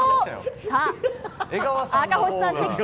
さあ、赤星さん的中！